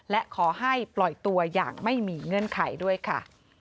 และขอให้ปล่อยตัวอย่างไม่มีเงื่อนไขด้วยค่ะ